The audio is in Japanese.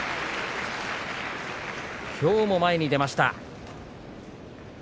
きょうも前に出ました。